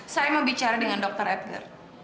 saya mau bicara dengan dr edgar